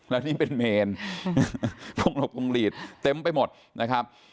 แล้วนี่เป็นเมนพวกหลบพวงหลีดเต็มไปหมดนะครับ